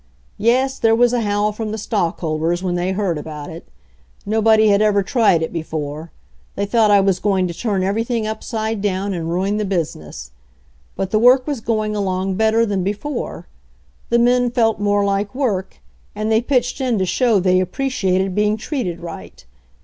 "Yes, there was a howl from the stockholders when they heard about it. Nobody had ever tried it before ; they thought I was going to turn every thing upside down and ruin the business. But the work was going along better than before. The men felt more like work, and they pitched in to show they appreciated being treated right.